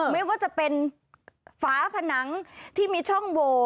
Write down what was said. ไม่ว่าจะเป็นฝาผนังที่มีช่องโว